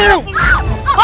sekarang gue mau terbas